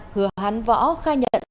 hứa hắn võ khai nhận